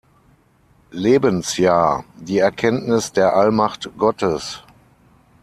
Lebensjahr die Erkenntnis der Allmacht Gottes.